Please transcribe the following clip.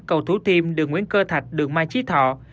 cầu thú thiêm đường nguyễn cơ thạch đường mai trí thọ